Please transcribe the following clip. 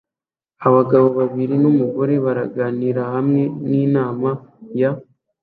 Abagabo babiri numugore baraganira hamwe nkinama ya